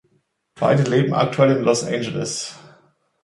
Beide leben aktuell in Los Angeles.